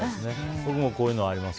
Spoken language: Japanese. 僕もこういうのあります。